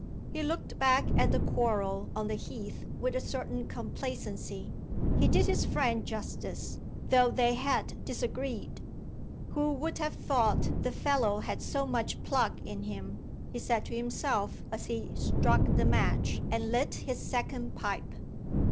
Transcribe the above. He looked back at the quarrel on the heath with a certain complacency he did his friend justice; though they had disagreed. "Who would have thought the fellow had so much pluck in him!" he said to himself as he struck the match and lit his second pipe.